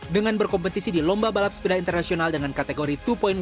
dengan berkompetisi di lomba balap sepeda internasional dengan kategori dua